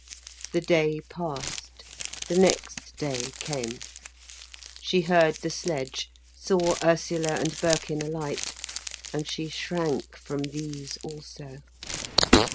The day passed, the next day came. She heard the sledge, saw Ursula and Birkin alight, and she shrank from these also.